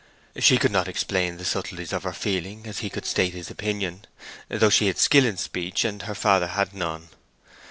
She could not explain the subtleties of her feeling as he could state his opinion, even though she had skill in speech, and her father had none.